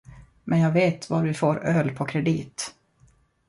Men jag vet var vi får öl på kredit!